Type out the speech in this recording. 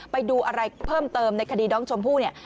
ไปดูอะไรเพิ่มเติมในคดีน้องชมพู่เนี่ย